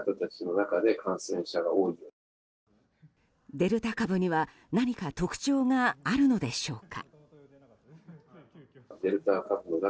デルタ株には何か特徴があるのでしょうか。